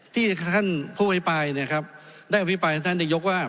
ที่ท่านพูดไว้ไปนะครับได้ไว้ไปท่านจะยกว่า